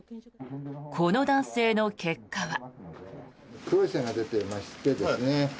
この男性の結果は。